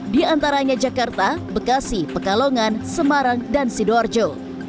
diantaranya jakarta bekasi pekalongan semarang dan sidoarjo